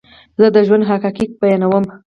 زه دژوند حقایق بیانوم